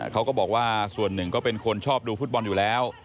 เขาก็บอกว่าส่วนหนึ่งก็เป็นคนชอบดูฟุตบอลอยู่แล้ว